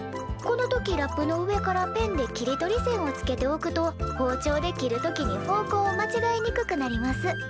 この時ラップの上からペンで切り取り線をつけておくと包丁で切る時に方向を間違えにくくなります。